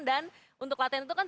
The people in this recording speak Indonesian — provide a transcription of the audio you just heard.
dan untuk latihan itu kan